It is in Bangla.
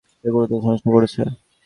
সে গুরুতর সমস্যায় পড়েছে।